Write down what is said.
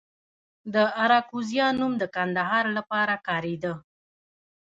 د اراکوزیا نوم د کندهار لپاره کاریده